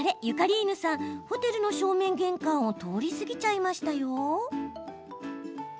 ゆかりーぬさんホテルの正面玄関を通り過ぎちゃいました。